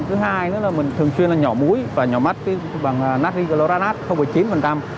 thứ hai nữa là mình thường xuyên là nhỏ muối và nhỏ mắt bằng natri gloranat chín